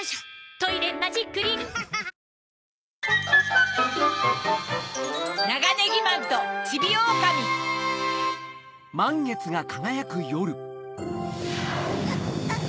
「トイレマジックリン」あっあっあっ。